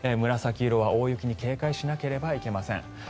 紫色は大雪に警戒しなければいけません。